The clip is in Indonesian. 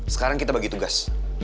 sekarang kita bagi tugas